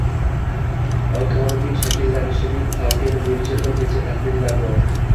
Oykonimning shakllanishining talqini bo‘yicha bir necha taxminlar bor: